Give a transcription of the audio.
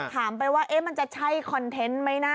ถามไปว่าเอ๊ะมันจะใช้คอนเทนต์มั้ยน่ะ